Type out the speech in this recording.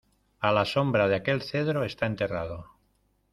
a la sombra de aquel cedro está enterrado.